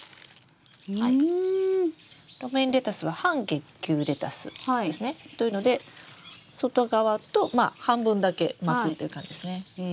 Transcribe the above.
ロメインレタスは半結球レタスですね。というので外側とまあ半分だけ巻くっていう感じですね。